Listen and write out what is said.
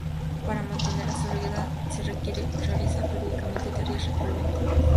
Para mantener la seguridad se requiere realizar periódicamente tareas preventivas.